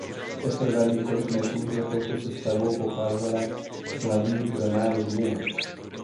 Teprve několik metrů za touto sestavou procházela hlavní obranná linie.